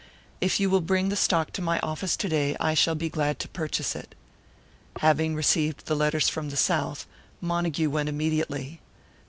If you will bring the stock to my office to day, I shall be glad to purchase it." Having received the letters from the South, Montague went immediately.